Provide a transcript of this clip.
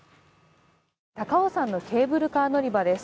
高尾山のケーブルカー乗り場です。